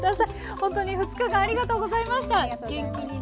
ほんとに２日間ありがとうございました。